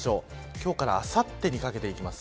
今日からあさってにかけていきます。